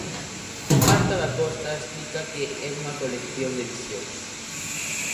Marta Dacosta explica que é unha colección de visións.